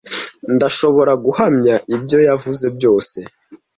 Ndashobora guhamya ibyo yavuze byose.